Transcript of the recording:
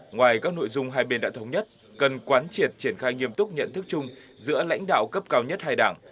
ngoài các nội dung hai bên đã thống nhất cần quán triệt triển khai nghiêm túc nhận thức chung giữa lãnh đạo cấp cao nhất hai đảng